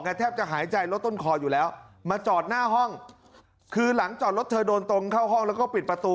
แทบจะหายใจรถต้นคออยู่แล้วมาจอดหน้าห้องคือหลังจอดรถเธอโดนตรงเข้าห้องแล้วก็ปิดประตู